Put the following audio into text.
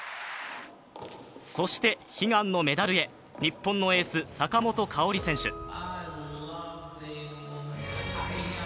そして悲願のメダルへ、日本のエース・坂本花織選手。